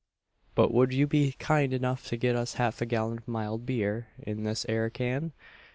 but would you be kind enough to get us half a gallon of mild beer, in this 'ere can?"